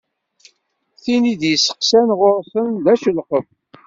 Tin i d-yesteqsan ɣur-sen d acelqef.